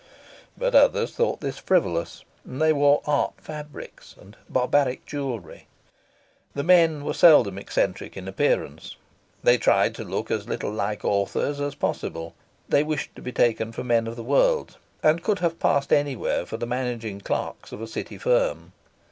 But others thought this frivolous, and they wore "art fabrics" and barbaric jewelry. The men were seldom eccentric in appearance. They tried to look as little like authors as possible. They wished to be taken for men of the world, and could have passed anywhere for the managing clerks of a city firm.